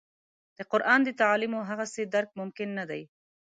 د قران د تعالیمو هغسې درک ممکن نه دی.